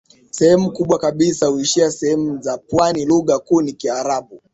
Sehemu kubwa kabisa huishi sehemu za pwani Lugha kuu ni Kiarabu